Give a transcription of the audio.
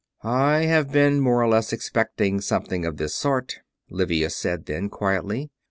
"I have been more or less expecting something of this sort," Livius said then, quietly.